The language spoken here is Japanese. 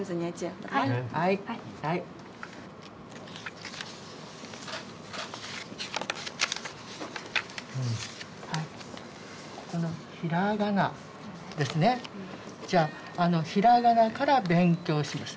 はいはいこの「ひらがな」ですねじゃあひらがなから勉強します